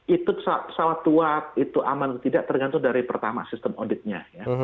itu pesawat tua itu aman atau tidak tergantung dari pertama sistem auditnya